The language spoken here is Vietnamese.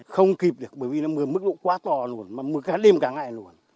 không kịp được bởi vì nó mưa mức lũ quá to luôn mà mưa đêm cả ngày luôn